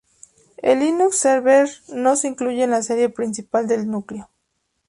El Linux-Vserver no se incluye en la serie principal del núcleo.